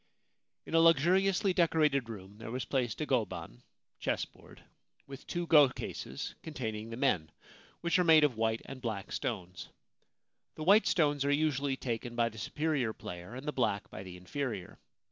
In a luxuriously decorated room there was placed a goban (chessboard) with two go cases containing the men, which are made of white and black stones. The white stones are usually taken by the superior player and the black by the inferior.